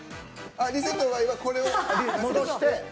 リセットの場合はこれを戻して。